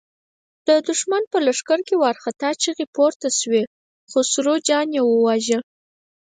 د دښمن په لښکر کې وارخطا چيغې پورته شوې: خسرو خان يې وواژه!